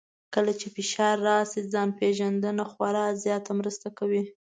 کله چې فشار راشي، ځان پېژندنه خورا زیاته مرسته کوي.